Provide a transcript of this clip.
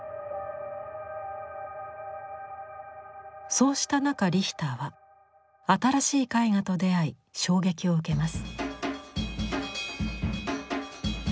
そうした中リヒターは新しい絵画と出会い衝撃を受けます。